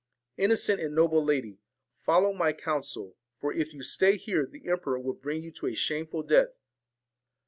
Innocent and noble lady, follow my counsel ; for if you stay here the emperor will bring you to a shameful death.'